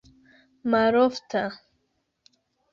malofta